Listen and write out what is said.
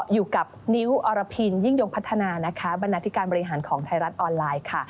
อยู่กับนิ้วอรพินยิ่งยงพัฒนานะคะบรรณาธิการบริหารของไทยรัฐออนไลน์ค่ะ